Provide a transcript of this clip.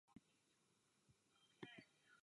Kdy jsme k evropským občanům upřímní?